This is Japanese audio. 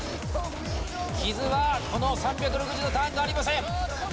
木津はこの３６０度ターンがありません。